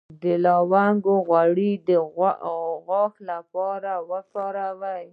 د لونګ غوړي د غاښ لپاره وکاروئ